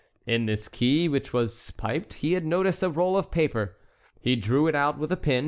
In this key, which was piped, he had noticed a roll of paper. He drew it out with a pin.